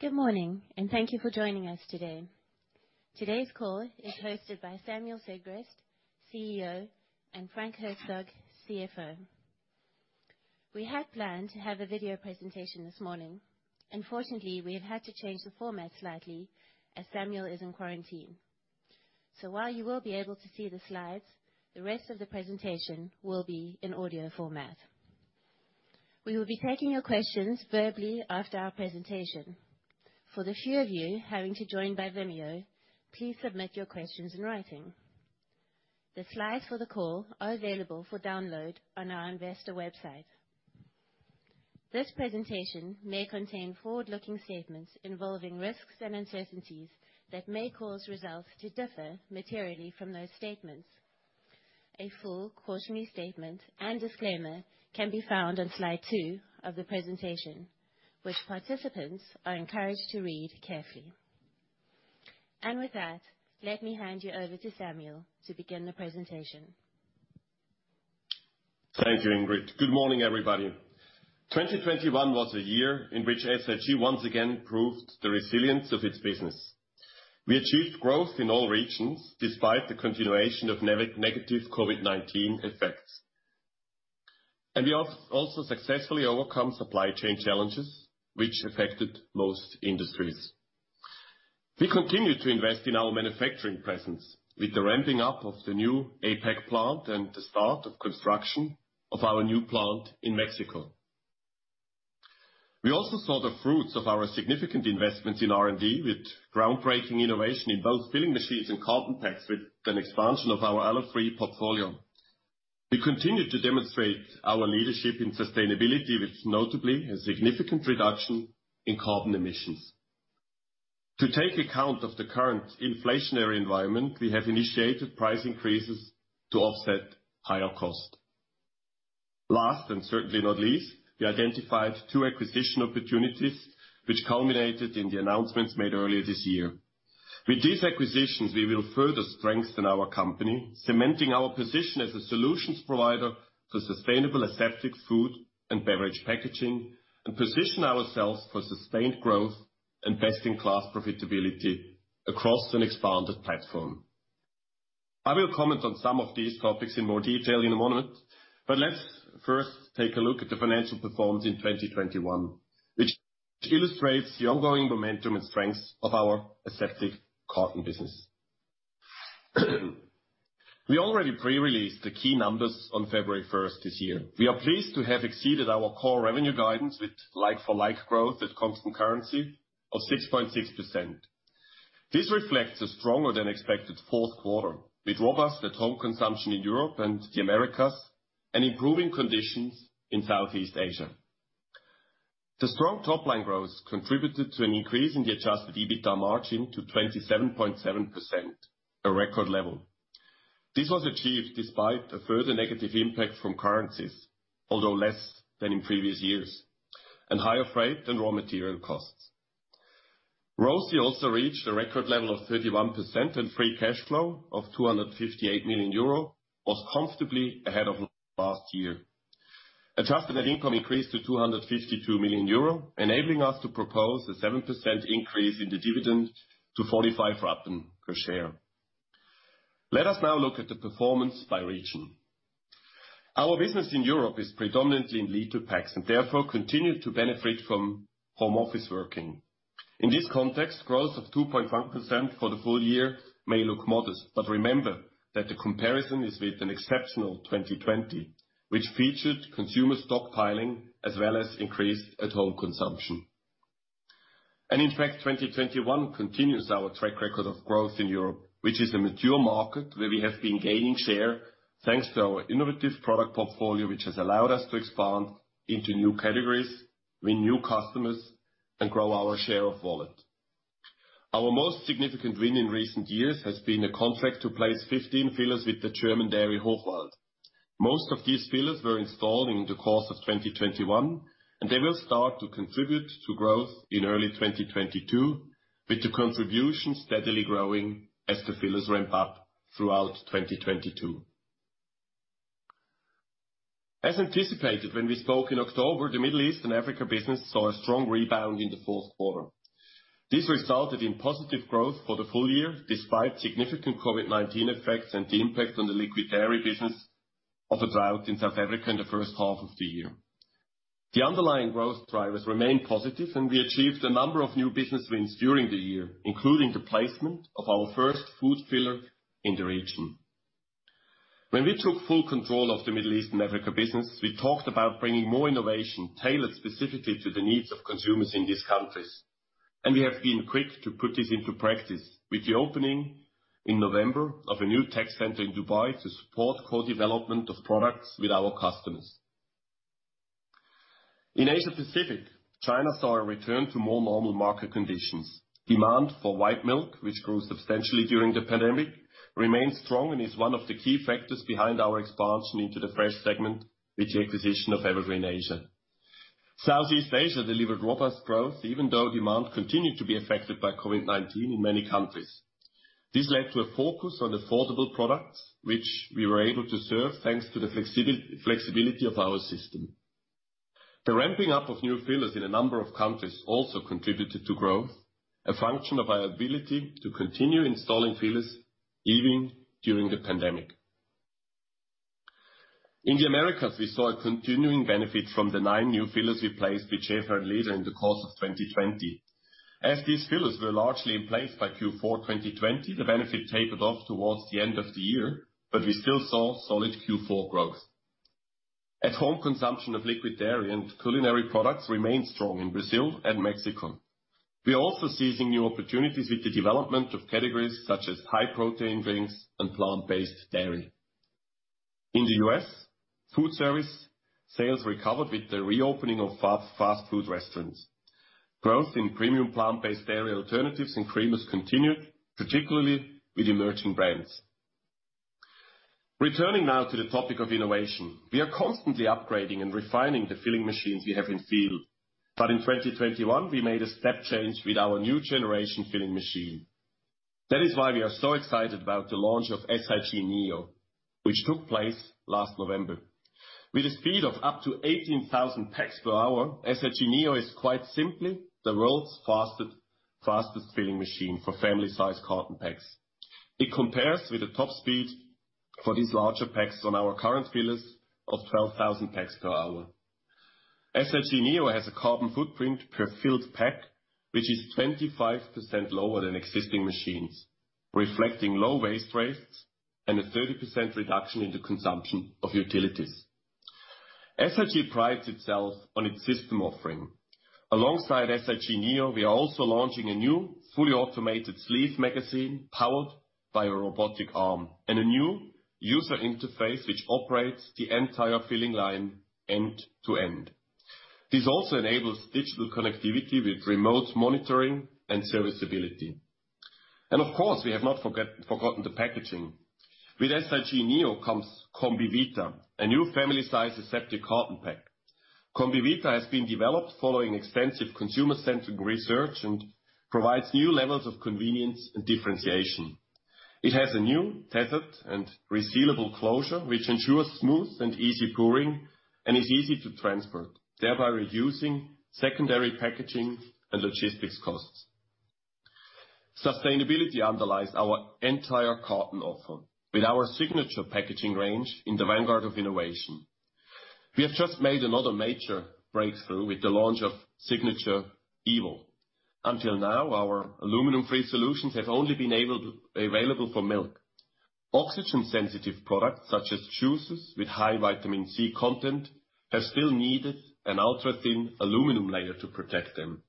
Good morning, and thank you for joining us today. Today's call is hosted by Samuel Sigrist, CEO, and Frank Herzog, CFO. We had planned to have a video presentation this morning. Unfortunately, we have had to change the format slightly as Samuel is in quarantine. While you will be able to see the slides, the rest of the presentation will be in audio format. We will be taking your questions verbally after our presentation. For the few of you having to join by Vimeo, please submit your questions in writing. The slides for the call are available for download on our investor website. This presentation may contain forward-looking statements involving risks and uncertainties that may cause results to differ materially from those statements. A full cautionary statement and disclaimer can be found on slide two of the presentation, which participants are encouraged to read carefully. With that, let me hand you over to Samuel to begin the presentation. Thank you, Ingrid. Good morning, everybody. 2021 was a year in which SIG once again proved the resilience of its business. We achieved growth in all regions, despite the continuation of negative COVID-19 effects. We also successfully overcome supply chain challenges which affected most industries. We continued to invest in our manufacturing presence with the ramping up of the new APAC plant and the start of construction of our new plant in Mexico. We also saw the fruits of our significant investments in R&D with groundbreaking innovation in both filling machines and carton packs, with an expansion of our alu-free portfolio. We continued to demonstrate our leadership in sustainability, with notably a significant reduction in carbon emissions. To take account of the current inflationary environment, we have initiated price increases to offset higher cost. Last, and certainly not least, we identified two acquisition opportunities, which culminated in the announcements made earlier this year. With these acquisitions, we will further strengthen our company, cementing our position as a solutions provider for sustainable aseptic food and beverage packaging, and position ourselves for sustained growth and best-in-class profitability across an expanded platform. I will comment on some of these topics in more detail in a moment, but let's first take a look at the financial performance in 2021, which illustrates the ongoing momentum and strength of our aseptic carton business. We already pre-released the key numbers on February 1st this year. We are pleased to have exceeded our core revenue guidance with like-for-like growth at constant currency of 6.6%. This reflects a stronger than expected fourth quarter, with robust at-home consumption in Europe and the Americas and improving conditions in Southeast Asia. The strong top line growth contributed to an increase in the adjusted EBITDA margin to 27.7%, a record level. This was achieved despite a further negative impact from currencies, although less than in previous years, and higher freight and raw material costs. ROCE also reached a record level of 31% and free cash flow of 258 million euro was comfortably ahead of last year. Adjusted net income increased to 252 million euro, enabling us to propose a 7% increase in the dividend to 45 rappen per share. Let us now look at the performance by region. Our business in Europe is predominantly in little packs and therefore continue to benefit from home office working. In this context, growth of 2.1% for the full year may look modest, but remember that the comparison is with an exceptional 2020, which featured consumer stockpiling as well as increased at-home consumption. In fact, 2021 continues our track record of growth in Europe, which is a mature market where we have been gaining share thanks to our innovative product portfolio, which has allowed us to expand into new categories, win new customers, and grow our share of wallet. Our most significant win in recent years has been a contract to place 15 fillers with the German dairy Hochwald. Most of these fillers were installed in the course of 2021, and they will start to contribute to growth in early 2022, with the contribution steadily growing as the fillers ramp up throughout 2022. As anticipated, when we spoke in October, the Middle East and Africa business saw a strong rebound in the Q4. This resulted in positive growth for the full year, despite significant COVID-19 effects and the impact on the liquid dairy business of a drought in South Africa in the first half of the year. The underlying growth drivers remain positive, and we achieved a number of new business wins during the year, including the placement of our first food filler in the region. When we took full control of the Middle East and Africa business, we talked about bringing more innovation tailored specifically to the needs of consumers in these countries. We have been quick to put this into practice with the opening in November of a new tech center in Dubai to support co-development of products with our customers. In Asia-Pacific, China saw a return to more normal market conditions. Demand for white milk, which grew substantially during the pandemic, remains strong and is one of the key factors behind our expansion into the fresh segment with the acquisition of Evergreen Asia. Southeast Asia delivered robust growth even though demand continued to be affected by COVID-19 in many countries. This led to a focus on affordable products which we were able to serve thanks to the flexibility of our system. The ramping up of new fillers in a number of countries also contributed to growth, a function of our ability to continue installing fillers even during the pandemic. In the Americas, we saw a continuing benefit from the 9 new fillers we placed with [cheaper leading] in the course of 2020. As these fillers were largely in place by Q4 2020, the benefit tapered off towards the end of the year, but we still saw solid Q4 growth. At-home consumption of liquid dairy and culinary products remained strong in Brazil and Mexico. We are also seizing new opportunities with the development of categories such as high-protein drinks and plant-based dairy. In the U.S., food service sales recovered with the reopening of fast food restaurants. Growth in premium plant-based dairy alternatives and creamers continued, particularly with emerging brands. Returning now to the topic of innovation. We are constantly upgrading and refining the filling machines we have in field. In 2021, we made a step change with our new generation filling machine. That is why we are so excited about the launch of SIG Neo, which took place last November. With a speed of up to 18,000 packs per hour, SIG Neo is quite simply the world's fastest filling machine for family-sized carton packs. It compares with the top speed for these larger packs on our current fillers of 12,000 packs per hour. SIG Neo has a carbon footprint per filled pack, which is 25% lower than existing machines, reflecting low waste rates and a 30% reduction in the consumption of utilities. SIG prides itself on its system offering. Alongside SIG Neo, we are also launching a new fully automated sleeve magazine powered by a robotic arm and a new user interface which operates the entire filling line end to end. This also enables digital connectivity with remote monitoring and serviceability. Of course, we have not forgotten the packaging. With SIG Neo comes combivita, a new family-sized aseptic carton pack. Combivita has been developed following extensive consumer-centric research and provides new levels of convenience and differentiation. It has a new tethered and resealable closure, which ensures smooth and easy pouring and is easy to transport, thereby reducing secondary packaging and logistics costs. Sustainability underlies our entire carton offer. With our SIGNATURE packaging range in the vanguard of innovation, we have just made another major breakthrough with the launch of SIGNATURE EVO. Until now, our aluminum-free solutions have only been available for milk. Oxygen-sensitive products, such as juices with high vitamin C content, have still needed an ultra-thin aluminum layer to protect them.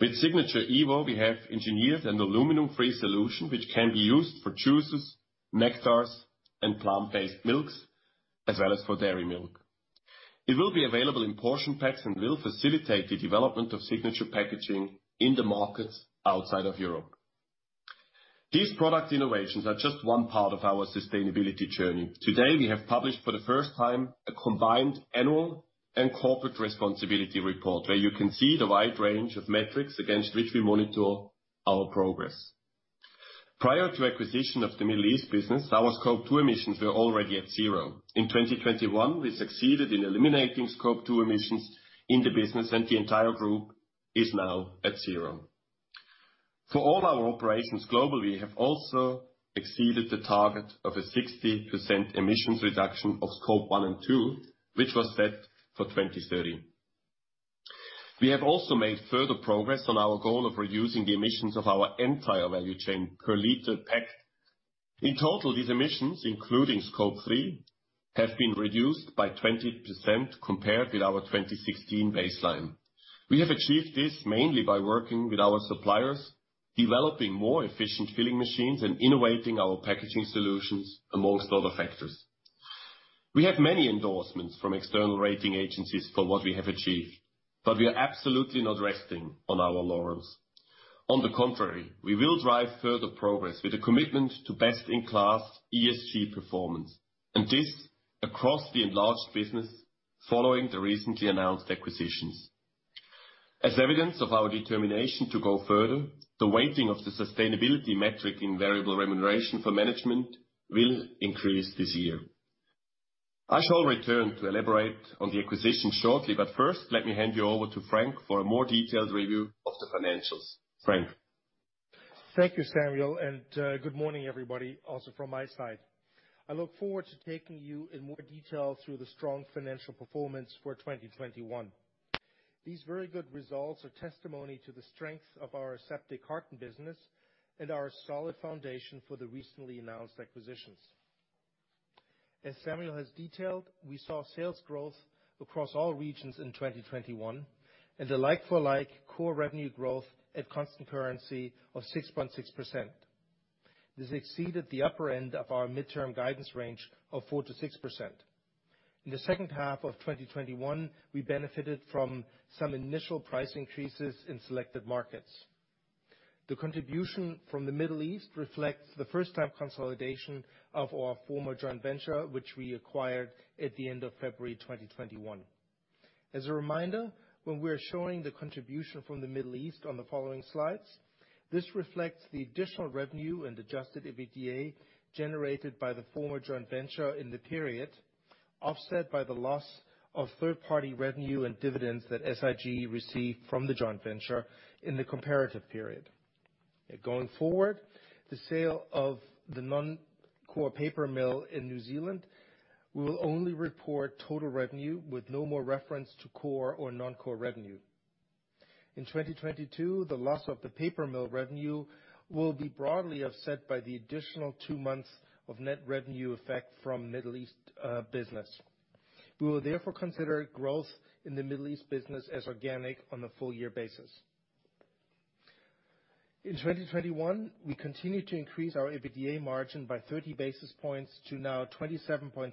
With SIGNATURE EVO, we have engineered an aluminum-free solution which can be used for juices, nectars, and plant-based milks, as well as for dairy milk. It will be available in portion packs and will facilitate the development of SIGNATURE packaging in the markets outside of Europe. These product innovations are just one part of our sustainability journey. Today, we have published for the first time a combined annual and corporate responsibility report, where you can see the wide range of metrics against which we monitor our progress. Prior to acquisition of the Middle East business, our Scope 2 emissions were already at zero. In 2021, we succeeded in eliminating Scope 2 emissions in the business, and the entire group is now at zero. For all our operations globally, we have also exceeded the target of a 60% emissions reduction of Scope 1 and 2, which was set for 2030. We have also made further progress on our goal of reducing the emissions of our entire value chain per liter packed. In total, these emissions, including Scope 3, have been reduced by 20% compared with our 2016 baseline. We have achieved this mainly by working with our suppliers, developing more efficient filling machines, and innovating our packaging solutions among other factors. We have many endorsements from external rating agencies for what we have achieved, but we are absolutely not resting on our laurels. On the contrary, we will drive further progress with a commitment to best-in-class ESG performance, and this across the enlarged business following the recently announced acquisitions. As evidence of our determination to go further, the weighting of the sustainability metric in variable remuneration for management will increase this year. I shall return to elaborate on the acquisition shortly, but first, let me hand you over to Frank for a more detailed review of the financials. Frank? Thank you, Samuel, and good morning, everybody, also from my side. I look forward to taking you in more detail through the strong financial performance for 2021. These very good results are testimony to the strength of our aseptic carton business and our solid foundation for the recently announced acquisitions. As Samuel has detailed, we saw sales growth across all regions in 2021 and a like-for-like core revenue growth at constant currency of 6.6%. This exceeded the upper end of our midterm guidance range of 4%-6%. In the second half of 2021, we benefited from some initial price increases in selected markets. The contribution from the Middle East reflects the first time consolidation of our former joint venture, which we acquired at the end of February 2021. As a reminder, when we are showing the contribution from the Middle East on the following slides, this reflects the additional revenue and adjusted EBITDA generated by the former joint venture in the period, offset by the loss of third-party revenue and dividends that SIG received from the joint venture in the comparative period. Going forward, the sale of the non-core paper mill in New Zealand, we will only report total revenue with no more reference to core or non-core revenue. In 2022, the loss of the paper mill revenue will be broadly offset by the additional two months of net revenue effect from Middle East business. We will therefore consider growth in the Middle East business as organic on a full year basis. In 2021, we continued to increase our EBITDA margin by 30 basis points to now 27.7%.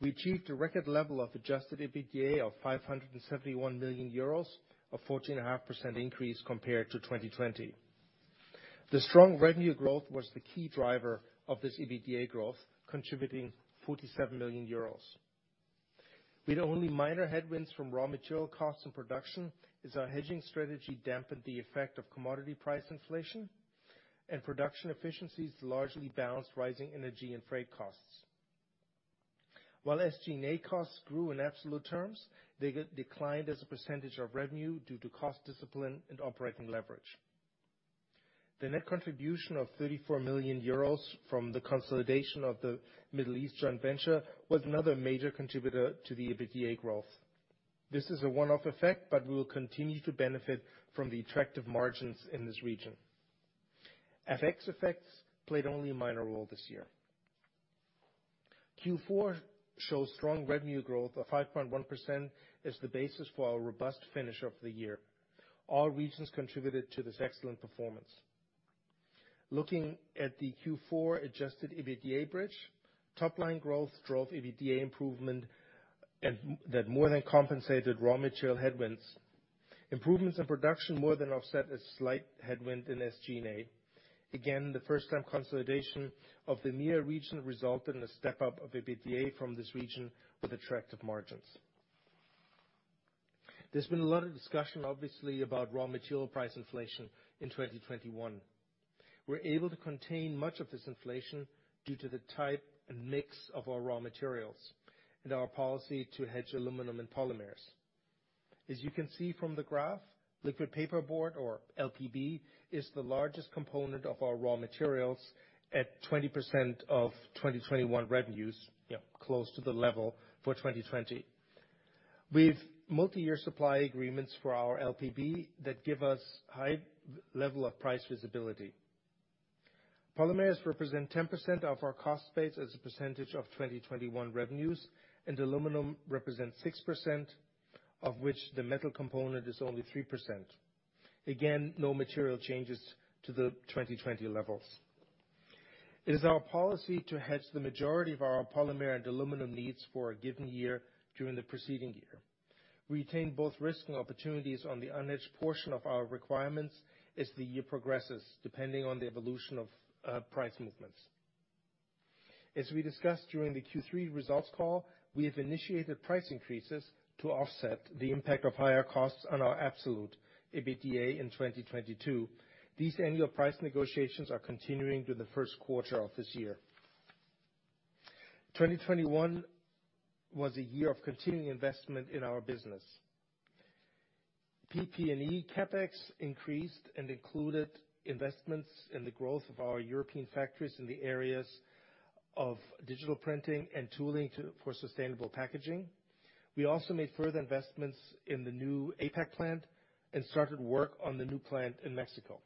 We achieved a record level of adjusted EBITDA of 571 million euros, a 14.5% increase compared to 2020. The strong revenue growth was the key driver of this EBITDA growth, contributing 47 million euros. We had only minor headwinds from raw material costs and production as our hedging strategy dampened the effect of commodity price inflation and production efficiencies largely balanced rising energy and freight costs. While SG&A costs grew in absolute terms, they declined as a percentage of revenue due to cost discipline and operating leverage. The net contribution of 34 million euros from the consolidation of the Middle East joint venture was another major contributor to the EBITDA growth. This is a one-off effect, but we will continue to benefit from the attractive margins in this region. FX effects played only a minor role this year. Q4 shows strong revenue growth of 5.1% as the basis for our robust finish of the year. All regions contributed to this excellent performance. Looking at the Q4 adjusted EBITDA bridge, top-line growth drove EBITDA improvement and that more than compensated raw material headwinds. Improvements in production more than offset a slight headwind in SG&A. Again, the first-time consolidation of the MEA region resulted in a step-up of EBITDA from this region with attractive margins. There's been a lot of discussion, obviously, about raw material price inflation in 2021. We're able to contain much of this inflation due to the type and mix of our raw materials and our policy to hedge aluminum and polymers. As you can see from the graph, liquid paperboard, or LPB, is the largest component of our raw materials at 20% of 2021 revenues, close to the level for 2020. We've multi-year supply agreements for our LPB that give us high level of price visibility. Polymers represent 10% of our cost base as a percentage of 2021 revenues, and aluminum represents 6%, of which the metal component is only 3%. Again, no material changes to the 2020 levels. It is our policy to hedge the majority of our polymer and aluminum needs for a given year during the preceding year. We retain both risks and opportunities on the unhedged portion of our requirements as the year progresses, depending on the evolution of price movements. As we discussed during the Q3 results call, we have initiated price increases to offset the impact of higher costs on our absolute EBITDA in 2022. These annual price negotiations are continuing through the first quarter of this year. 2021 was a year of continuing investment in our business. PP&E CapEx increased and included investments in the growth of our European factories in the areas of digital printing and tooling for sustainable packaging. We also made further investments in the new APAC plant and started work on the new plant in Mexico.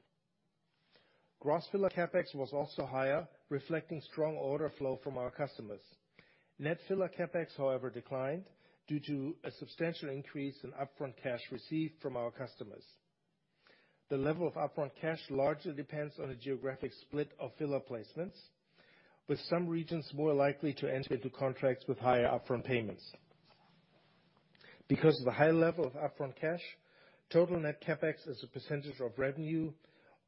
Gross filler CapEx was also higher, reflecting strong order flow from our customers. Net filler CapEx, however, declined due to a substantial increase in upfront cash received from our customers. The level of upfront cash largely depends on a geographic split of filler placements, with some regions more likely to enter into contracts with higher upfront payments. Because of the high level of upfront cash, total net CapEx as a percentage of revenue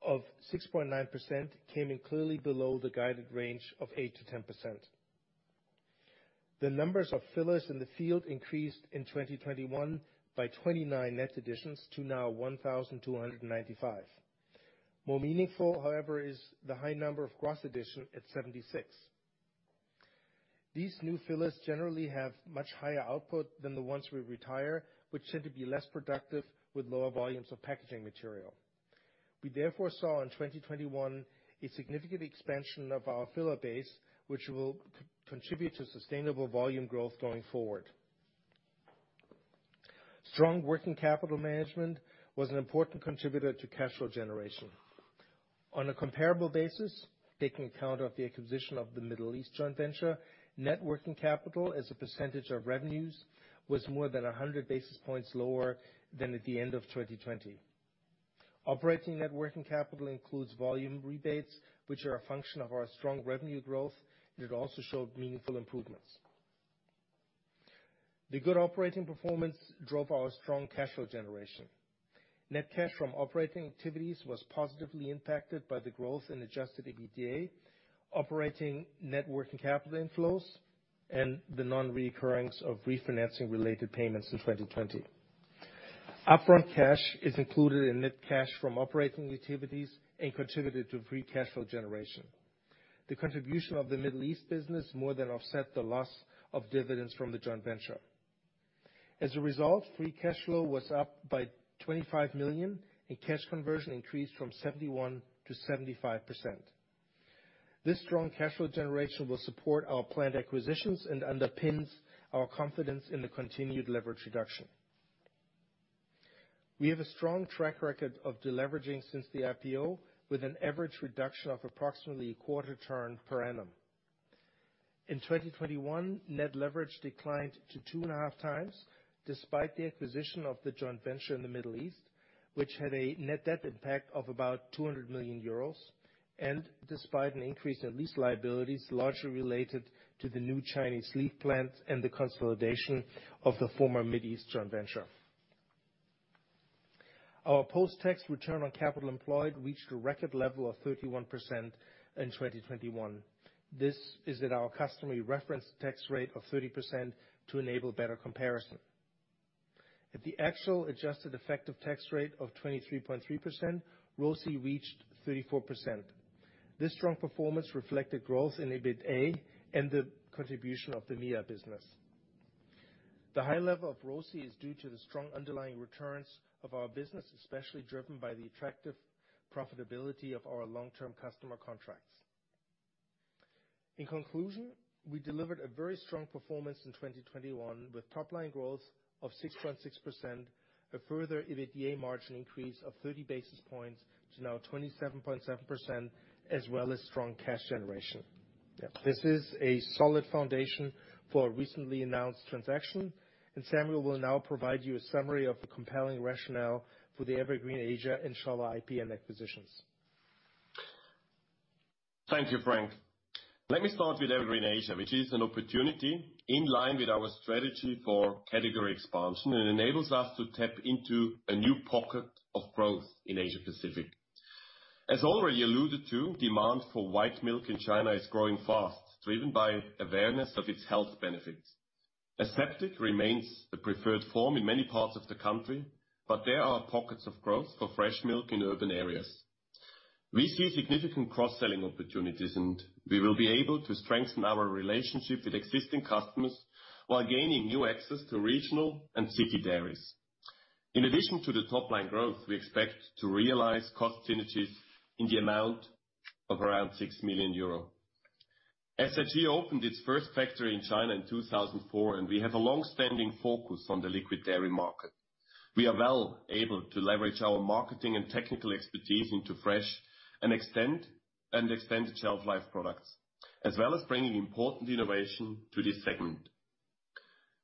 of 6.9% came in clearly below the guided range of 8%-10%. The numbers of fillers in the field increased in 2021 by 29 net additions to now 1,295. More meaningful, however, is the high number of gross addition at 76. These new fillers generally have much higher output than the ones we retire, which tend to be less productive with lower volumes of packaging material. We therefore saw in 2021 a significant expansion of our filler base, which will contribute to sustainable volume growth going forward. Strong working capital management was an important contributor to cash flow generation. On a comparable basis, taking account of the acquisition of the Middle East joint venture, net working capital as a percentage of revenues was more than 100 basis points lower than at the end of 2020. Operating net working capital includes volume rebates, which are a function of our strong revenue growth, and it also showed meaningful improvements. The good operating performance drove our strong cash flow generation. Net cash from operating activities was positively impacted by the growth in adjusted EBITDA, operating net working capital inflows, and the non-recurrence of refinancing related payments in 2020. Upfront cash is included in net cash from operating activities and contributed to free cash flow generation. The contribution of the Middle East business more than offset the loss of dividends from the joint venture. As a result, free cash flow was up by 25 million, and cash conversion increased from 71%-75%. This strong cash flow generation will support our planned acquisitions and underpins our confidence in the continued leverage reduction. We have a strong track record of deleveraging since the IPO, with an average reduction of approximately a quarter turn per annum. In 2021, net leverage declined to 2.5 times despite the acquisition of the joint venture in the Middle East, which had a net debt impact of about 200 million euros, and despite an increase in lease liabilities largely related to the new Suzhou packaging plant and the consolidation of the former Middle East joint venture. Our post-tax return on capital employed reached a record level of 31% in 2021. This is at our customary reference tax rate of 30% to enable better comparison. At the actual adjusted effective tax rate of 23.3%, ROCE reached 34%. This strong performance reflected growth in EBITA and the contribution of the MEA business. The high level of ROCE is due to the strong underlying returns of our business, especially driven by the attractive profitability of our long-term customer contracts. In conclusion, we delivered a very strong performance in 2021, with top-line growth of 6.6%, a further EBITDA margin increase of 30 basis points to now 27.7%, as well as strong cash generation. This is a solid foundation for our recently announced transaction, and Samuel will now provide you a summary of the compelling rationale for the Evergreen Asia and Scholle IPN acquisitions. Thank you, Frank. Let me start with Evergreen Asia, which is an opportunity in line with our strategy for category expansion and enables us to tap into a new pocket of growth in Asia Pacific. As already alluded to, demand for white milk in China is growing fast, driven by awareness of its health benefits. Aseptic remains the preferred form in many parts of the country, but there are pockets of growth for fresh milk in urban areas. We see significant cross-selling opportunities, and we will be able to strengthen our relationship with existing customers while gaining new access to regional and city dairies. In addition to the top-line growth, we expect to realize cost synergies in the amount of around 6 million euro. SIG opened its first factory in China in 2004, and we have a long-standing focus on the liquid dairy market. We are well able to leverage our marketing and technical expertise into fresh and extended shelf life products, as well as bringing important innovation to this segment.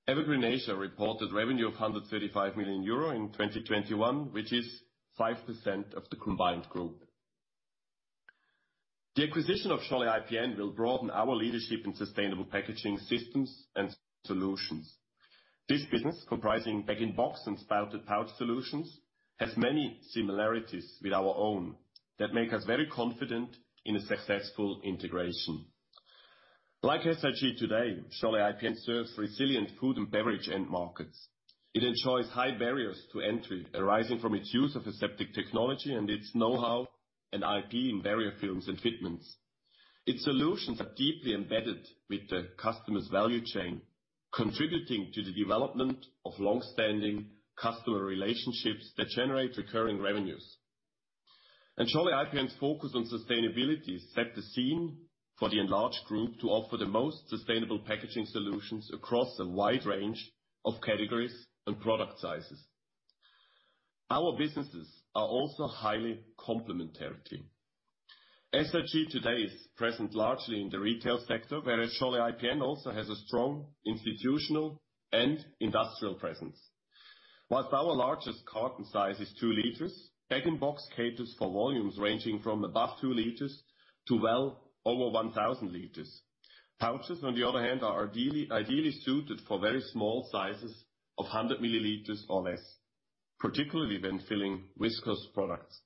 Evergreen Asia reported revenue of 135 million euro in 2021, which is 5% of the combined group. The acquisition of Scholle IPN will broaden our leadership in sustainable packaging systems and solutions. This business, comprising bag-in-box and spouted pouch solutions, has many similarities with our own that make us very confident in a successful integration. Like SIG today, Scholle IPN serves resilient food and beverage end markets. It enjoys high barriers to entry arising from its use of aseptic technology and its know-how and IP in barrier films and fitments. Its solutions are deeply embedded with the customer's value chain, contributing to the development of long-standing customer relationships that generate recurring revenues. Scholle IPN's focus on sustainability set the scene for the enlarged group to offer the most sustainable packaging solutions across a wide range of categories and product sizes. Our businesses are also highly complementary. SIG today is present largely in the retail sector, whereas Scholle IPN also has a strong institutional and industrial presence. While our largest carton size is 2 liters, bag-in-box caters for volumes ranging from above two liters to well over 1,000 liters. Pouches, on the other hand, are ideally suited for very small sizes of 100 milliliters or less, particularly when filling viscous products.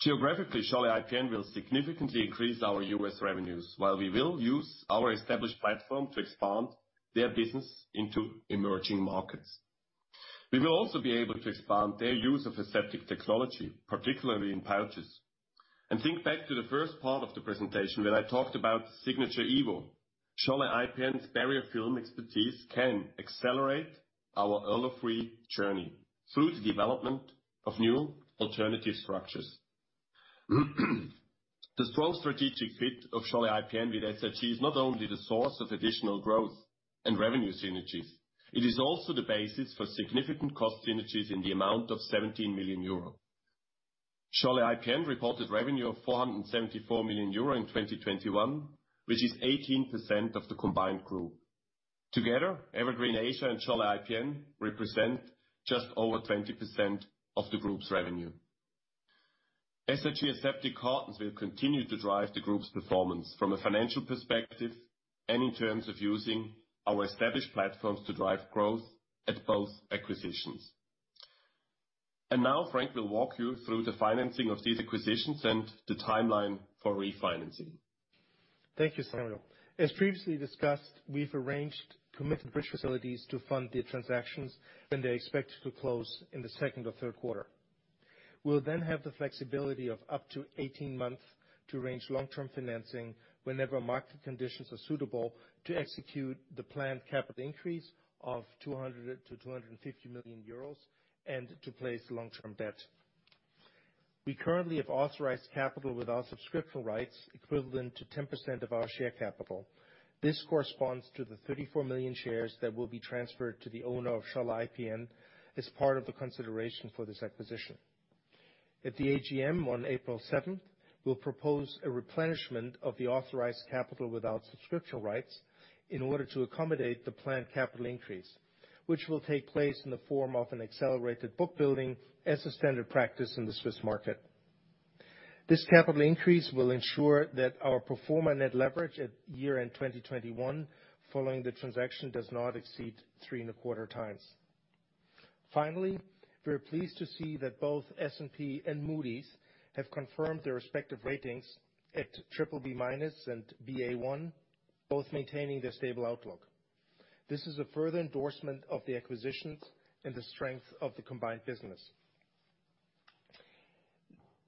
Geographically, Scholle IPN will significantly increase our U.S. revenues, while we will use our established platform to expand their business into emerging markets. We will also be able to expand their use of aseptic technology, particularly in pouches. Think back to the first part of the presentation when I talked about SIGNATURE EVO. Scholle IPN's barrier film expertise can accelerate our alu-free journey through the development of new alternative structures. The strong strategic fit of Scholle IPN with SIG is not only the source of additional growth and revenue synergies, it is also the basis for significant cost synergies in the amount of 17 million euro. Scholle IPN reported revenue of 474 million euro in 2021, which is 18% of the combined group. Together, Evergreen Asia and Scholle IPN represent just over 20% of the group's revenue. SIG Aseptic Cartons will continue to drive the group's performance from a financial perspective and in terms of using our established platforms to drive growth at both acquisitions. Now Frank will walk you through the financing of these acquisitions and the timeline for refinancing. Thank you, Samuel. As previously discussed, we've arranged committed bridge facilities to fund the transactions when they're expected to close in the Q2 or Q3. We'll then have the flexibility of up to 18 months to arrange long-term financing whenever market conditions are suitable to execute the planned capital increase of 200 million-250 million euros and to place long-term debt. We currently have authorized capital with our subscription rights equivalent to 10% of our share capital. This corresponds to the 34 million shares that will be transferred to the owner of Scholle IPN as part of the consideration for this acquisition. At the AGM on April 7th, we'll propose a replenishment of the authorized capital without subscription rights in order to accommodate the planned capital increase, which will take place in the form of an accelerated book building as a standard practice in the Swiss market. This capital increase will ensure that our pro forma net leverage at year-end 2021 following the transaction does not exceed 3.25 times. Finally, we are pleased to see that both S&P and Moody's have confirmed their respective ratings at BBB- and Ba1, both maintaining their stable outlook. This is a further endorsement of the acquisitions and the strength of the combined business.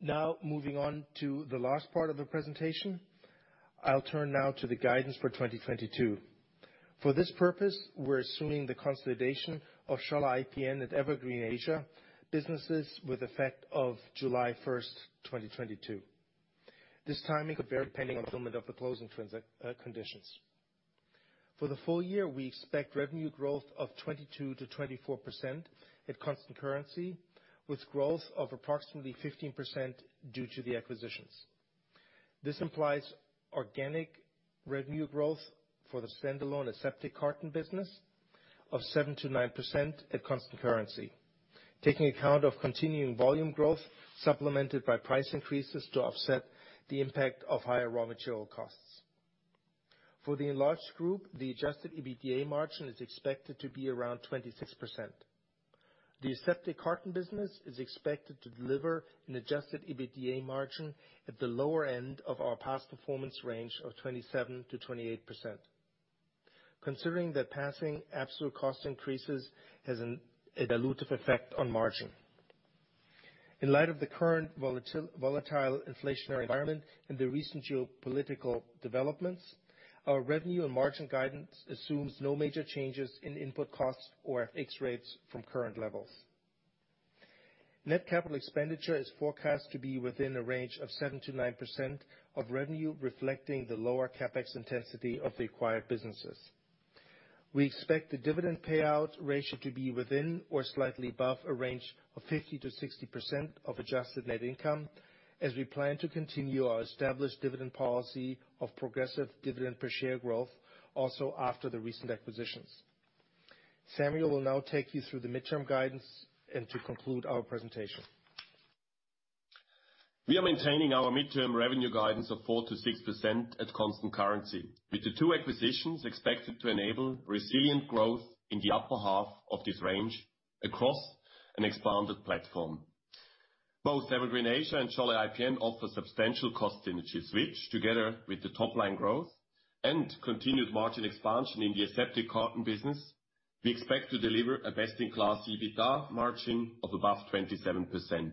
Now moving on to the last part of the presentation. I'll turn now to the guidance for 2022. For this purpose, we're assuming the consolidation of Scholle IPN and Evergreen Asia businesses with effect of July 1st, 2022. This timing could vary depending on fulfillment of the closing conditions. For the full year, we expect revenue growth of 22%-24% at constant currency, with growth of approximately 15% due to the acquisitions. This implies organic revenue growth for the standalone aseptic carton business of 7%-9% at constant currency, taking account of continuing volume growth supplemented by price increases to offset the impact of higher raw material costs. For the enlarged group, the adjusted EBITDA margin is expected to be around 26%. The aseptic carton business is expected to deliver an adjusted EBITDA margin at the lower end of our past performance range of 27%-28%. Considering that passing absolute cost increases has a dilutive effect on margin. In light of the current volatile inflationary environment and the recent geopolitical developments, our revenue and margin guidance assumes no major changes in input costs or FX rates from current levels. Net capital expenditure is forecast to be within a range of 7%-9% of revenue, reflecting the lower CapEx intensity of the acquired businesses. We expect the dividend payout ratio to be within or slightly above a range of 50%-60% of adjusted net income as we plan to continue our established dividend policy of progressive dividend per share growth also after the recent acquisitions. Samuel will now take you through the midterm guidance and to conclude our presentation. We are maintaining our midterm revenue guidance of 4%-6% at constant currency, with the two acquisitions expected to enable resilient growth in the upper half of this range across an expanded platform. Both Evergreen Asia and Scholle IPN offer substantial cost synergies, which together with the top-line growth and continued margin expansion in the aseptic carton business. We expect to deliver a best-in-class EBITDA margin of above 27%.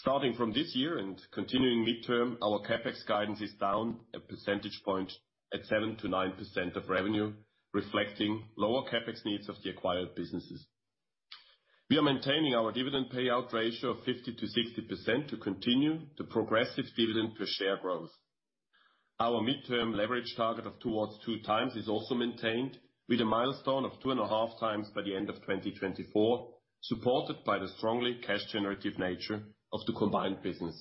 Starting from this year and continuing midterm, our CapEx guidance is down a percentage point at 7%-9% of revenue, reflecting lower CapEx needs of the acquired businesses. We are maintaining our dividend payout ratio of 50%-60% to continue the progressive dividend per share growth. Our midterm leverage target of toward 2x is also maintained with a milestone of 2.5x by the end of 2024, supported by the strongly cash generative nature of the combined business.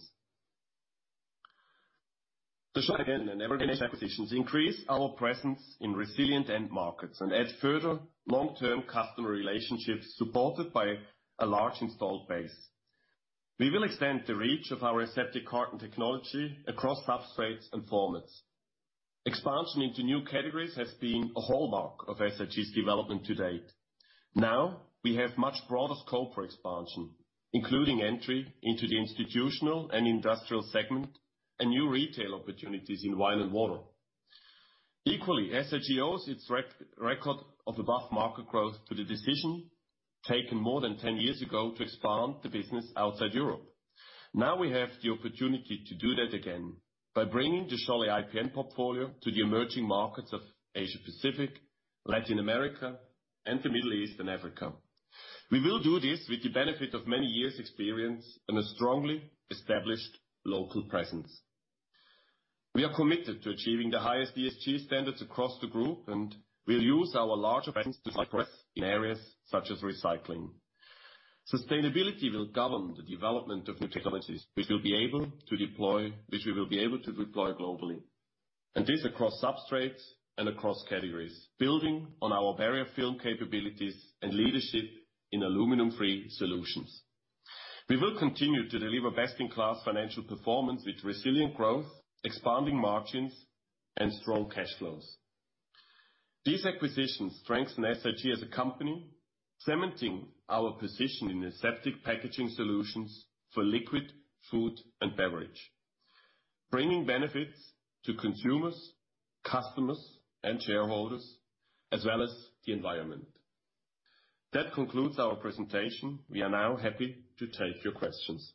The Scholle IPN and Evergreen Asia acquisitions increase our presence in resilient end markets and add further long-term customer relationships supported by a large installed base. We will extend the reach of our aseptic carton technology across substrates and formats. Expansion into new categories has been a hallmark of SIG's development to date. Now we have much broader scope for expansion, including entry into the institutional and industrial segment and new retail opportunities in wine and water. Equally, SIG owes its record of above market growth to the decision taken more than 10 years ago to expand the business outside Europe. Now we have the opportunity to do that again by bringing the Scholle IPN portfolio to the emerging markets of Asia-Pacific, Latin America and the Middle East and Africa. We will do this with the benefit of many years experience and a strongly established local presence. We are committed to achieving the highest ESG standards across the group, and we'll use our larger presence to drive growth in areas such as recycling. Sustainability will govern the development of new technologies, which we will be able to deploy globally. This across substrates and across categories, building on our barrier film capabilities and leadership in aluminum-free solutions. We will continue to deliver best-in-class financial performance with resilient growth, expanding margins, and strong cash flows. These acquisitions strengthen SIG as a company, cementing our position in aseptic packaging solutions for liquid, food, and beverage, bringing benefits to consumers, customers, and shareholders, as well as the environment. That concludes our presentation. We are now happy to take your questions.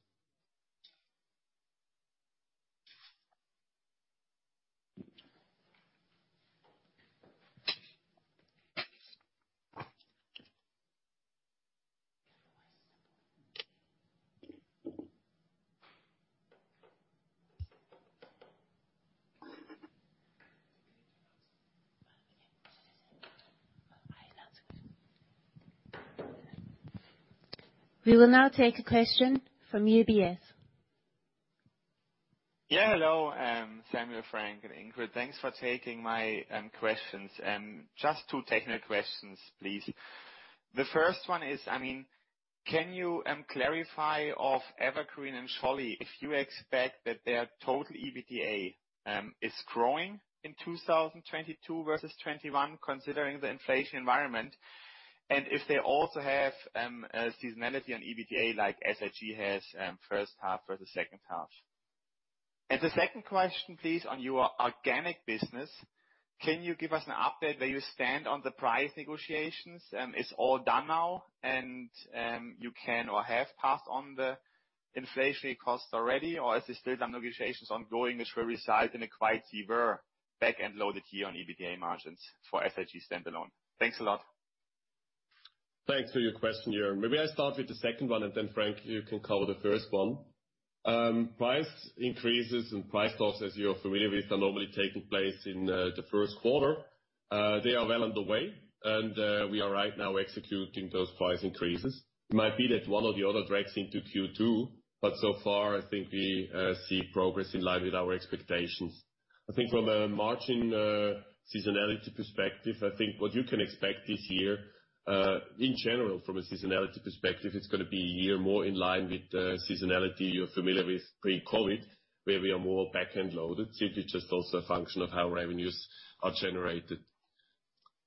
We will now take a question from UBS. Yeah. Hello, Samuel, Frank, and Ingrid. Thanks for taking my questions. Just two technical questions, please. The first one is, I mean, can you clarify of Evergreen and Scholle if you expect that their total EBITDA is growing in 2022 versus 2021, considering the inflation environment? If they also have a seasonality on EBITDA like SIG has, first half versus second half. The second question, please, on your organic business, can you give us an update where you stand on the price negotiations, it's all done now and you can or have passed on the inflationary costs already? Or is there still some negotiations ongoing which will result in a quite severe back-end load this year on EBITDA margins for SIG standalone? Thanks a lot. Thanks for your question, Joern. Maybe I start with the second one, and then Frank, you can cover the first one. Price increases and price drops, as you're familiar with, are normally taking place in the first quarter. They are well underway and we are right now executing those price increases. It might be that one or the other drags into Q2, but so far I think we see progress in line with our expectations. I think from a margin seasonality perspective, I think what you can expect this year, in general, from a seasonality perspective, it's gonna be a year more in line with seasonality you're familiar with pre-COVID, where we are more back-end loaded, simply just also a function of how revenues are generated.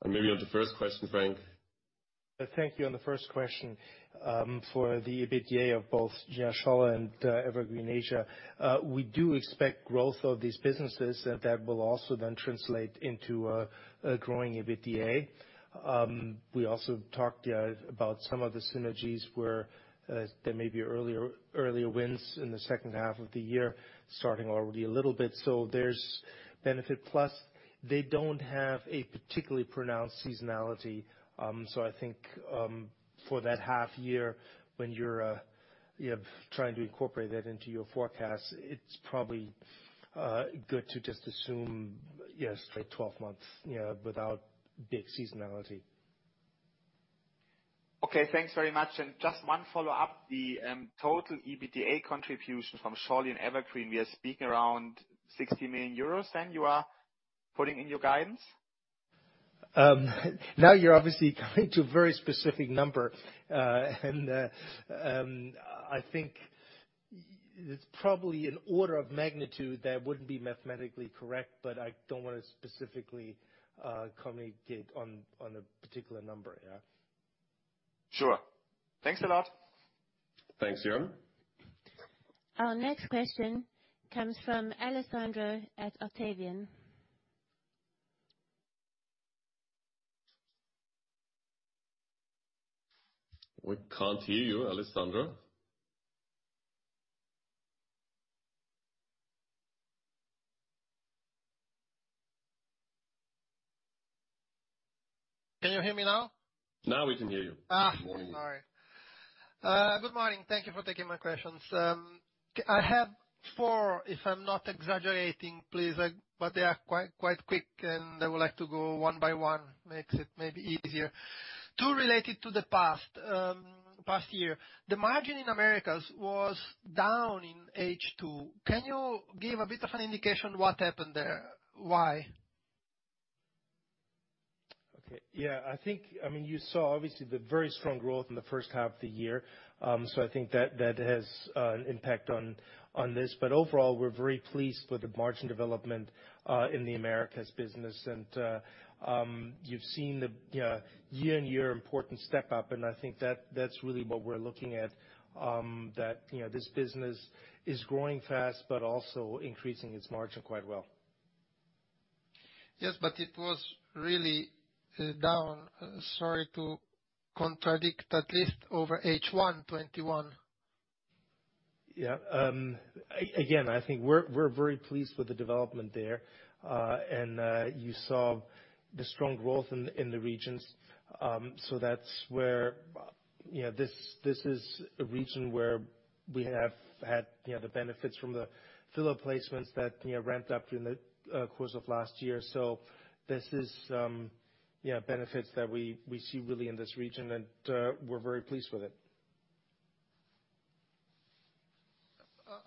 Maybe on the first question, Frank. Thank you. On the first question, for the EBITDA of both Scholle and Evergreen Asia, we do expect growth of these businesses that will also then translate into a growing EBITDA. We also talked about some of the synergies where there may be earlier wins in the second half of the year, starting already a little bit. There's benefit. Plus, they don't have a particularly pronounced seasonality, so I think, for that half year when you're, you know, trying to incorporate that into your forecast, it's probably good to just assume, yes, straight 12 months, you know, without big seasonality. Okay. Thanks very much. Just one follow-up. The total EBITDA contribution from Scholle and Evergreen, we are speaking around 60 million euros then you are putting in your guidance? Now you're obviously going to a very specific number. I think it's probably an order of magnitude that wouldn't be mathematically correct, but I don't wanna specifically communicate on a particular number, yeah? Sure. Thanks a lot. Thanks, Joern. Our next question comes from Alessandro at Octavian. We can't hear you, Alessandro. Can you hear me now? Now we can hear you. Ah. Good morning. Sorry. Good morning. Thank you for taking my questions. I have four, if I'm not exaggerating, please, like, but they are quite quick, and I would like to go one by one. Makes it maybe easier. Two related to the past year. The margin in Americas was down in H2. Can you give a bit of an indication what happened there? Why? Okay. Yeah. I think, I mean, you saw obviously the very strong growth in the first half of the year, so I think that has an impact on this. Overall, we're very pleased with the margin development in the Americas business. You've seen the, you know, year-on-year important step up, and I think that's really what we're looking at, you know, this business is growing fast but also increasing its margin quite well. Yes, but it was really down, sorry to contradict, at least over H1 2021. Yeah. Again, I think we're very pleased with the development there. You saw the strong growth in the regions. That's where, you know, this is a region where we have had, you know, the benefits from the filler placements that, you know, ramped up in the course of last year. This is, you know, benefits that we see really in this region and, we're very pleased with it.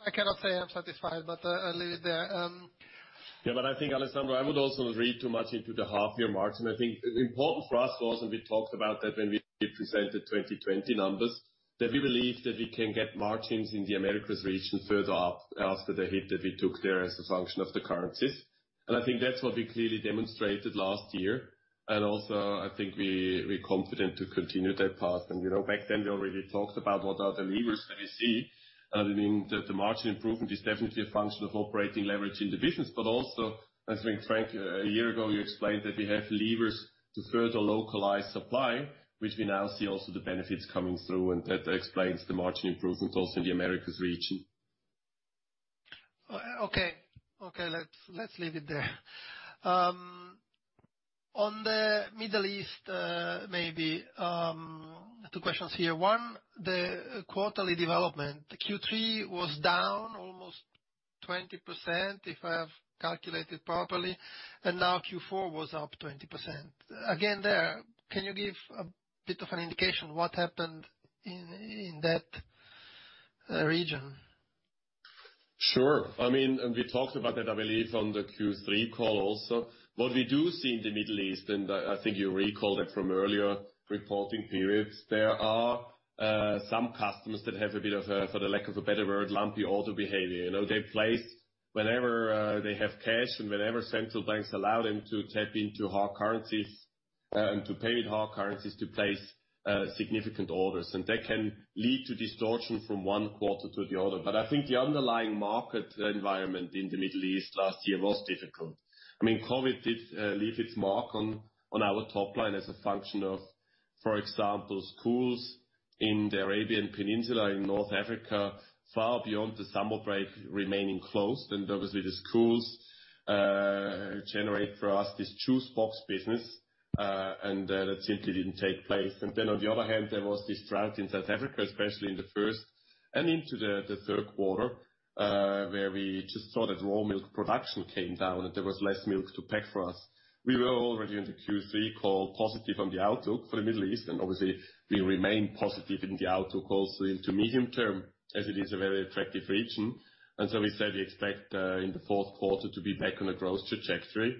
I cannot say I'm satisfied, but I'll leave it there. I think, Alessandro, I would also read too much into the half-year margin. I think important for us was, and we talked about that when we presented 2020 numbers, that we believe that we can get margins in the Americas region further up after the hit that we took there as a function of the currencies. I think that's what we clearly demonstrated last year. I think we're confident to continue that path. You know, back then we already talked about what are the levers that we see. I mean, the margin improvement is definitely a function of operating leverage in divisions, but also, I think, Frank, a year ago, you explained that we have levers to further localize supply, which we now see also the benefits coming through, and that explains the margin improvements also in the Americas region. Okay. Okay, let's leave it there. On the Middle East, maybe two questions here. One, the quarterly development, Q3 was down almost 20%, if I have calculated properly, and now Q4 was up 20%. Again, can you give a bit of an indication what happened in that region? Sure. I mean, we talked about that, I believe, on the Q3 call also. What we do see in the Middle East, and I think you recall that from earlier reporting periods, there are some customers that have a bit of a, for the lack of a better word, lumpy order behavior. You know, they place whenever they have cash and whenever central banks allow them to tap into hard currencies to pay with hard currencies to place significant orders. That can lead to distortion from one quarter to the other. I think the underlying market environment in the Middle East last year was difficult. I mean, COVID did leave its mark on our top line as a function of, for example, schools in the Arabian Peninsula, in North Africa, far beyond the summer break remaining closed. Obviously, the schools generate for us this juice box business, and that simply didn't take place. Then on the other hand, there was this drought in South Africa, especially in the first and into the third quarter, where we just saw that raw milk production came down and there was less milk to pack for us. We were already in the Q3 call positive on the outlook for the Middle East, and obviously we remain positive in the outlook also into medium term, as it is a very attractive region. We said we expect in the Q4 to be back on a growth trajectory.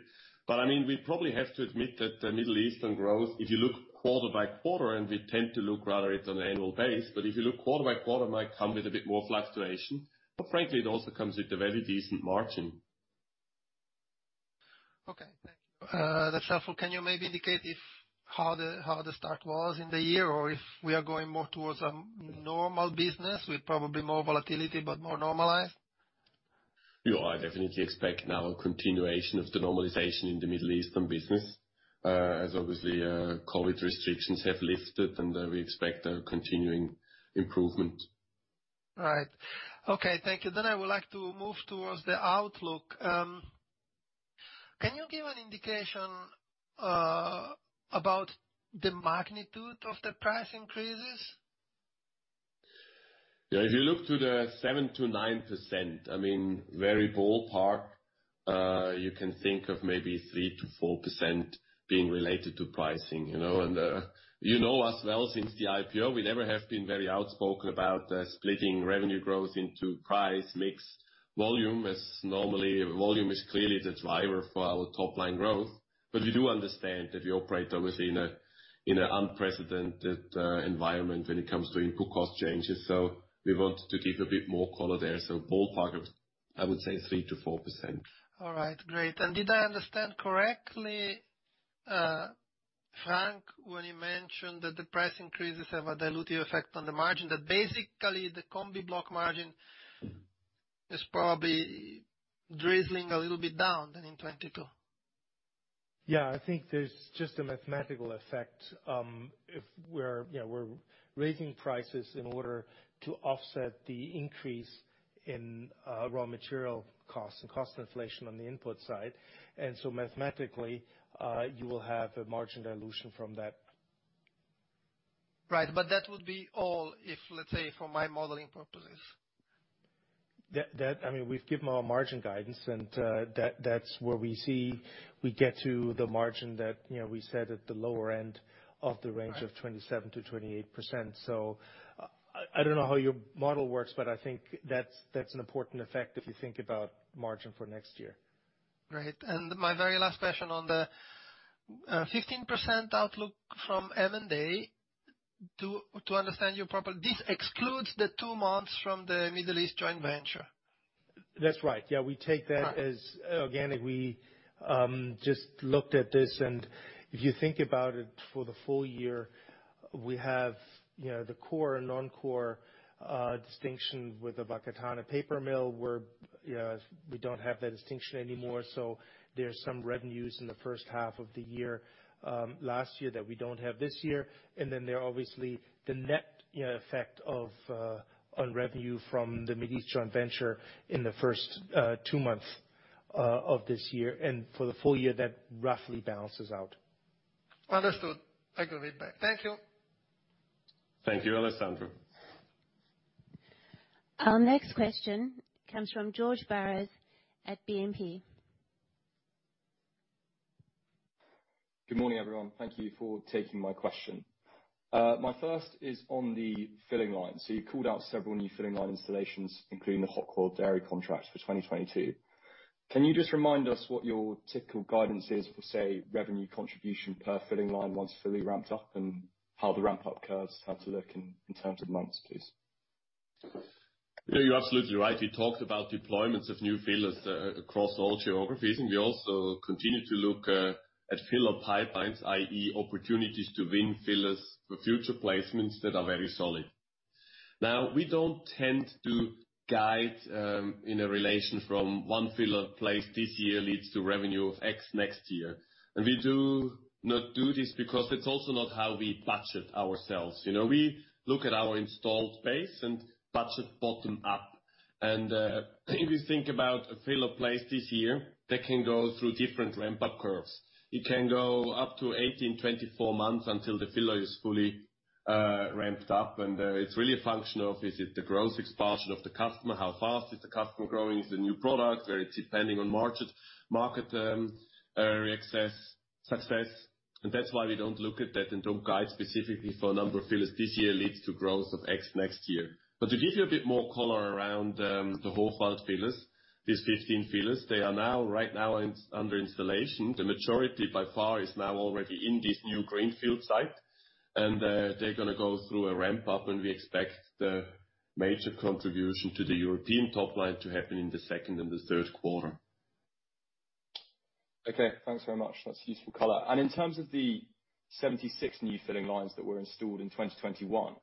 I mean, we probably have to admit that the Middle Eastern growth, if you look quarter by quarter, and we tend to look rather at it on an annual basis, but if you look quarter by quarter, might come with a bit more fluctuation. Frankly, it also comes with a very decent margin. Okay. Thank you. That's helpful. Can you maybe indicate how the start was in the year or if we are going more towards a normal business with probably more volatility but more normalized? Yeah. I definitely expect now a continuation of the normalization in the Middle Eastern business, as obviously, COVID restrictions have lifted and we expect a continuing improvement. All right. Okay, thank you. I would like to move towards the outlook. Can you give an indication about the magnitude of the price increases? Yeah, if you look to the 7%-9%, I mean, very ballpark, you can think of maybe 3%-4% being related to pricing, you know. You know us well since the IPO, we never have been very outspoken about splitting revenue growth into price, mix, volume, as normally volume is clearly the driver for our top line growth. We do understand that we operate obviously in an unprecedented environment when it comes to input cost changes. We wanted to give a bit more color there. Ballpark of, I would say 3%-4%. All right, great. Did I understand correctly, Frank, when you mentioned that the price increases have a dilutive effect on the margin, that basically the combibloc margin is probably trailing a little bit down than in 2022? Yeah. I think there's just a mathematical effect, if we're, you know, raising prices in order to offset the increase in raw material costs and cost inflation on the input side. Mathematically, you will have a margin dilution from that. Right. That would be all if, let's say, for my modeling purposes. I mean, we've given our margin guidance and that's where we see we get to the margin that, you know, we said at the lower end of the range of 27%-28%. I don't know how your model works, but I think that's an important effect if you think about margin for next year. Great. My very last question on the 15% outlook from M&A. To understand you properly, this excludes the two months from the Middle East joint venture? That's right. Yeah. We take that as, again, and we just looked at this, and if you think about it, for the full year, we have, you know, the core and non-core distinction with the Whakatane paper mill, where, you know, we don't have that distinction anymore. There's some revenues in the first half of the year, last year that we don't have this year. Then there are obviously the net, you know, effect of on revenue from the Middle East joint venture in the first two months of this year. For the full year, that roughly balances out. Understood. I agree with that. Thank you. Thank you, Alessandro. Our next question comes from George [Barrass] at BNP. Good morning, everyone. Thank you for taking my question. My first is on the filling line. You called out several new filling line installations, including the Hochwald Foods contract for 2022. Can you just remind us what your typical guidance is for, say, revenue contribution per filling line once fully ramped up, and how the ramp up curves had to look in terms of months, please? No, you're absolutely right. We talked about deployments of new fillers across all geographies, and we also continue to look at filler pipelines, i.e., opportunities to win fillers for future placements that are very solid. Now, we don't tend to guide in a relation from one filler placed this year leads to revenue of X next year. We do not do this because it's also not how we budget ourselves. You know, we look at our installed base and budget bottom up. If you think about a filler placed this year, that can go through different ramp up curves. It can go up to 18-24 months until the filler is fully ramped up. It's really a function of, is it the growth expansion of the customer? How fast is the customer growing? Is it new products? It's depending on market success. That's why we don't look at that and don't guide specifically for a number of fillers this year leads to growth of X next year. To give you a bit more color around the Hochwald fillers, these 15 fillers, they are now, right now under installation. The majority by far is now already in this new greenfield site. They're gonna go through a ramp up, and we expect the major contribution to the European top line to happen in the Q2 and the Q3. Okay, thanks very much. That's useful color. In terms of the 76 new filling lines that were installed in 2021,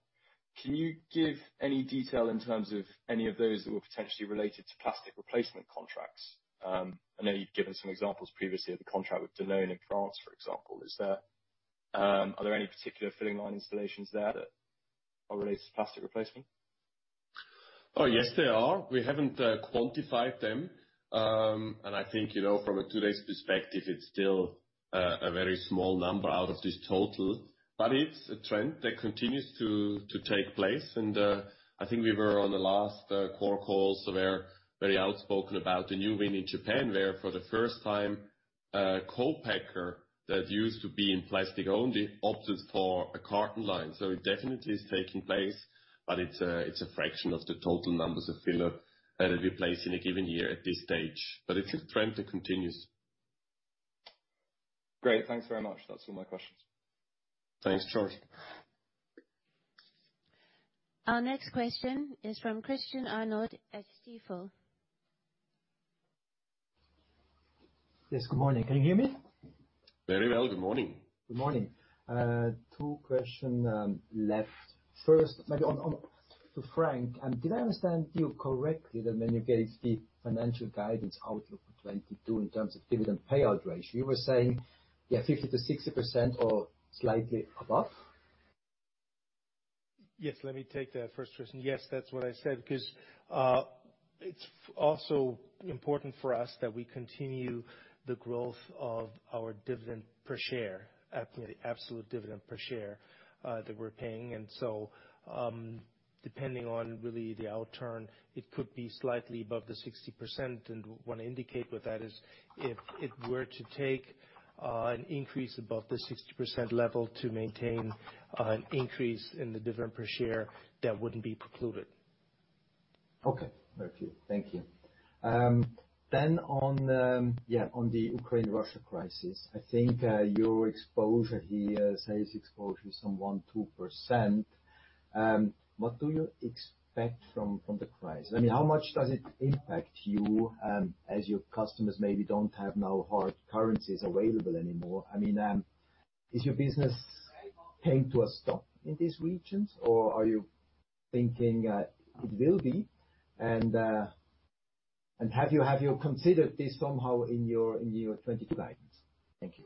can you give any detail in terms of any of those that were potentially related to plastic replacement contracts? I know you've given some examples previously of the contract with Danone in France, for example. Are there any particular filling line installations there that are related to plastic replacement? Oh, yes they are. We haven't quantified them. I think, you know, from today's perspective, it's still a very small number out of this total. But it's a trend that continues to take place. I think we were on the last core call, so we're very outspoken about the new win in Japan, where for the first time, a co-packer that used to be in plastic only opted for a carton line. It definitely is taking place, but it's a fraction of the total numbers of filler that is replaced in a given year at this stage. It's a trend that continues. Great. Thanks very much. That's all my questions. Thanks, George. Our next question is from Christian Arnold at Stifel. Yes. Good morning. Can you hear me? Very well. Good morning. Good morning. Two questions left. First, maybe on to Frank, did I understand you correctly that when you gave the financial guidance outlook for 2022 in terms of dividend payout ratio, you were saying, yeah, 50%-60% or slightly above? Yes. Let me take that first, Christian. Yes, that's what I said, because it's also important for us that we continue the growth of our dividend per share, the absolute dividend per share, that we're paying. Depending on really the outturn, it could be slightly above the 60%. What I indicate with that is if it were to take an increase above the 60% level to maintain an increase in the dividend per share, that wouldn't be precluded. Okay. Thank you. On the Ukraine-Russia crisis. I think your exposure here, sales exposure is some 1-2%. What do you expect from the crisis? I mean, how much does it impact you, as your customers maybe don't have now hard currencies available anymore? I mean, is your business coming to a stop in these regions? Or are you thinking it will be? Have you considered this somehow in your 2022 guidance? Thank you.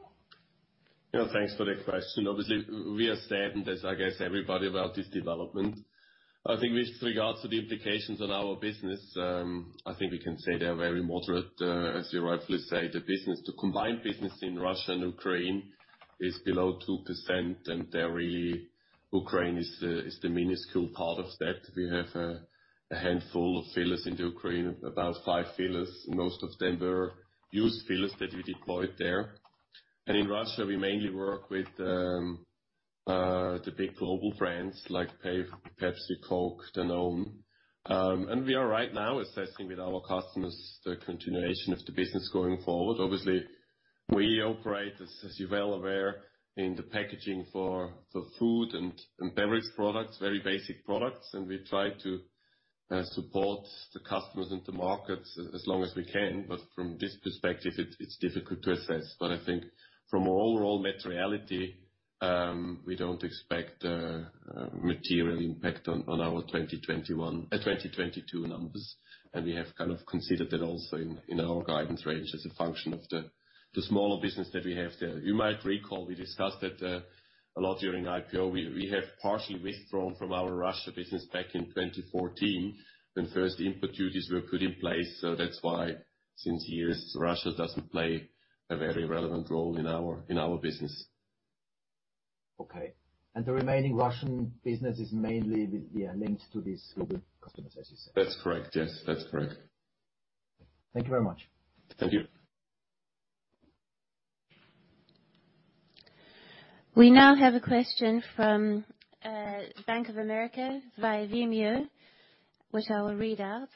Yeah. Thanks for the question. Obviously, we are saddened as, I guess, everybody about this development. I think with regards to the implications on our business, I think we can say they are very moderate. As you rightfully say, the business, the combined business in Russia and Ukraine is below 2%, and Ukraine is the minuscule part of that. We have a handful of fillers into Ukraine, about 5 fillers. Most of them were used fillers that we deployed there. In Russia, we mainly work with the big global brands like PepsiCo, Danone. We are right now assessing with our customers the continuation of the business going forward. Obviously, we operate, as you're well aware, in the packaging for food and beverage products, very basic products. We try to support the customers and the markets as long as we can. From this perspective, it's difficult to assess. I think from an overall materiality, we don't expect a material impact on our 2022 numbers. We have kind of considered that also in our guidance range as a function of the smaller business that we have there. You might recall we discussed that a lot during IPO. We have partially withdrawn from our Russia business back in 2014 when first import duties were put in place. That's why since years, Russia doesn't play a very relevant role in our business. Okay. The remaining Russian business is mainly with, yeah, linked to these global customers, as you said. That's correct. Yes, that's correct. Thank you very much. Thank you. We now have a question from Bank of America via Vimeo, which I will read out.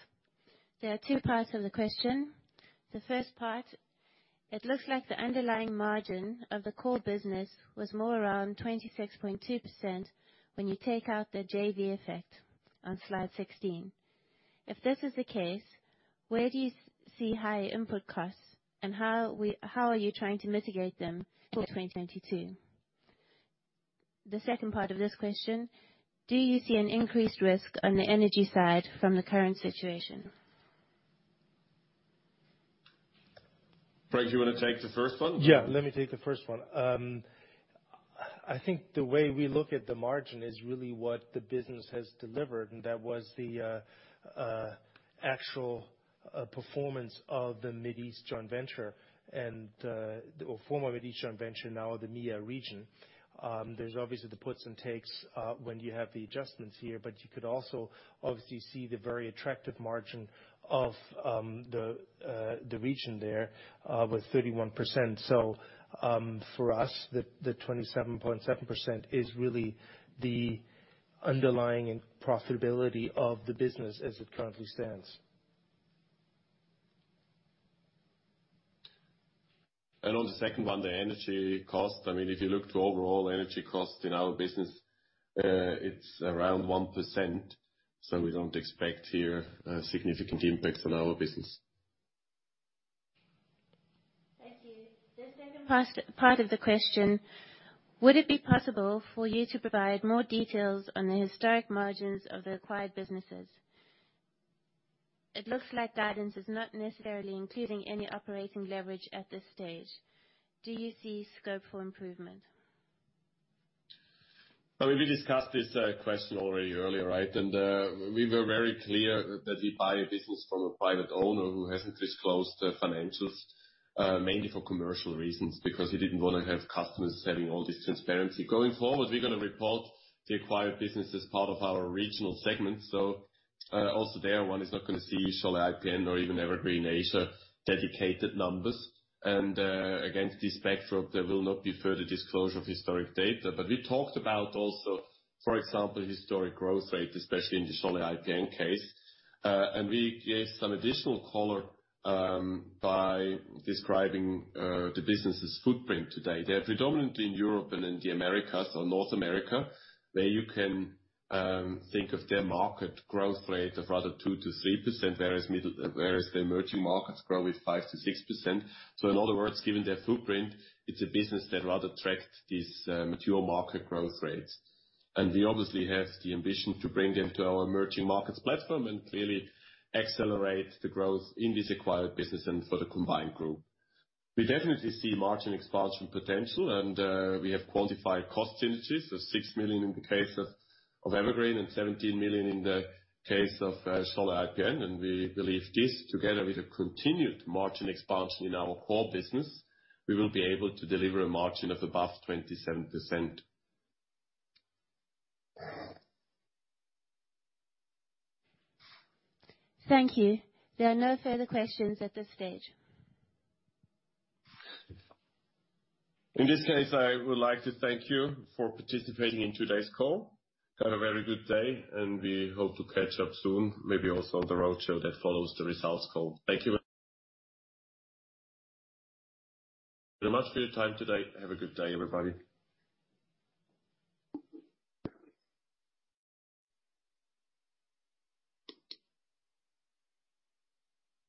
There are two parts of the question. The first part: It looks like the underlying margin of the core business was more around 26.2% when you take out the JV effect on slide 16. If this is the case, where do you see higher input costs, and how are you trying to mitigate them for 2022? The second part of this question: Do you see an increased risk on the energy side from the current situation? Frank, do you wanna take the first one? Yeah, let me take the first one. I think the way we look at the margin is really what the business has delivered, and that was the actual performance of the Middle East joint venture and or former Middle East joint venture, now the MEA region. There's obviously the puts and takes when you have the adjustments here, but you could also obviously see the very attractive margin of the region there with 31%. For us, the 27.7% is really the underlying and profitability of the business as it currently stands. On the second one, the energy cost, I mean, if you look to overall energy cost in our business, it's around 1%, so we don't expect here a significant impact on our business. Thank you. The second part of the question. Would it be possible for you to provide more details on the historic margins of the acquired businesses? It looks like guidance is not necessarily including any operating leverage at this stage. Do you see scope for improvement? Well, we discussed this question already earlier, right? We were very clear that we buy a business from a private owner who hasn't disclosed the financials, mainly for commercial reasons, because he didn't wanna have customers having all this transparency. Going forward, we're gonna report the acquired business as part of our regional segment. Also there, one is not gonna see Scholle IPN or even Evergreen Asia dedicated numbers. Against this backdrop, there will not be further disclosure of historic data. We talked about also, for example, historic growth rate, especially in the Scholle IPN case. And we gave some additional color by describing the business's footprint today. They're predominantly in Europe and in the Americas or North America, where you can think of their market growth rate of rather 2%-3%, whereas the emerging markets grow with 5%-6%. In other words, given their footprint, it's a business that rather tracks these mature market growth rates. We obviously have the ambition to bring them to our emerging markets platform and really accelerate the growth in this acquired business and for the combined group. We definitely see margin expansion potential, and we have qualified cost synergies of 6 million in the case of Evergreen and 17 million in the case of Scholle IPN. We believe this, together with a continued margin expansion in our core business, will be able to deliver a margin above 27%. Thank you. There are no further questions at this stage. In this case, I would like to thank you for participating in today's call. Have a very good day, and we hope to catch up soon, maybe also on the roadshow that follows the results call. Thank you very much for your time today. Have a good day, everybody.